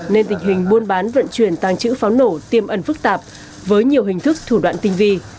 nên tình hình buôn bán vận chuyển tàng trữ pháo nổ tiêm ẩn phức tạp với nhiều hình thức thủ đoạn tinh vi